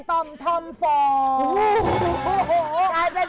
ต่อมทำฟอง